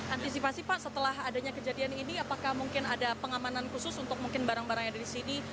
antisipasi pak setelah adanya kejadian ini apakah mungkin ada pengamanan khusus untuk mungkin barang barang yang ada di sini